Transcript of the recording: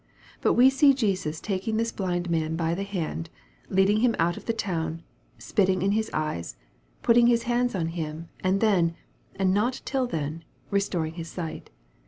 But we see Jesus taking this blind man by the hand leading him out of the town spitting on his eyes putting His hands on him, and then, and not till then, restoring his sight.